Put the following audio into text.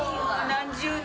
何十年。